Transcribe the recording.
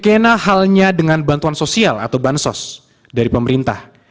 skena halnya dengan bantuan sosial atau bansos dari pemerintah